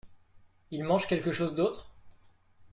Ils mangent quelque chose d’autre ?